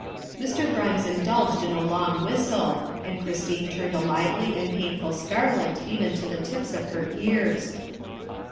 Mr. Grimes indulged in a long whistle, and Christine turned a lively and painful scarlet even to the tips of her ears.